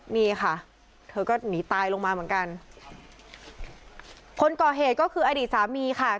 นี่ค่ะเธอก็หนีตายลงมาเหมือนกันคนก่อเหตุก็คืออดีตสามีค่ะ